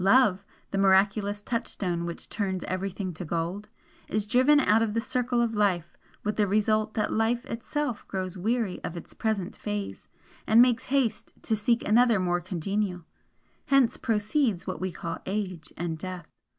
Love, the miraculous touchstone which turns everything to gold, is driven out of the circle of Life with the result that Life itself grows weary of its present phase, and makes haste to seek another more congenial. Hence proceeds what we call age and death."